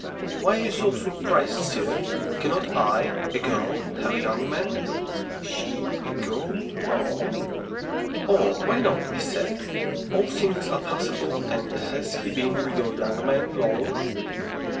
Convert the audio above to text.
"Why are you so surprised, sir? Cannot I, a girl, have a young man?" She? A girl? Well! "Oh, why not?" I said. "All things are possible. And has he been your young man long?"